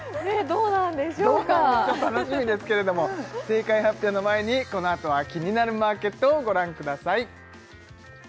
どうなんでしょう楽しみですけれども正解発表の前にこのあとは「キニナルマーケット」をご覧ください